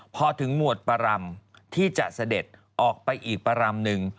พอถึงหมวดประรำที่จะเสด็จออกไปอีกประรำหนึ่ง